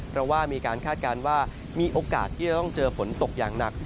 เพราะว่ามีการคาดการณ์ว่ามีโอกาสที่จะต้องเจอฝนตกอย่างหนัก